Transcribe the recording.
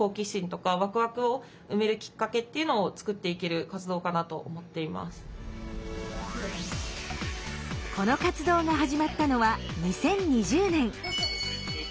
この活動が始まったのは２０２０年。